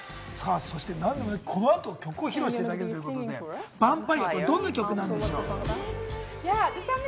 そして、何でもこのあと曲を披露していただけるということで、『ｖａｍｐｉｒｅ』、どんな曲なんでしょう？